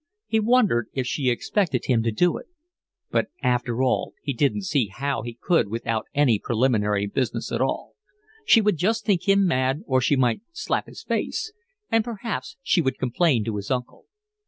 He wondered if she expected him to do it; but after all he didn't see how he could without any preliminary business at all. She would just think him mad, or she might slap his face; and perhaps she would complain to his uncle.